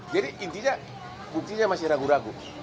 jadi intinya buktinya masih ragu ragu